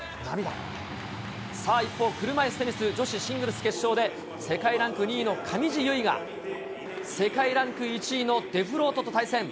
さあ、一方、車いすテニス女子シングルス決勝で、世界ランク２位の上地結衣が、世界ランク１位のデフロートと対戦。